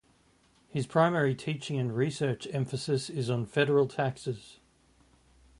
His primary teaching and research emphasis is on federal taxes.